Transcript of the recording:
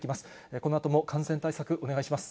このあとも感染対策、お願いします。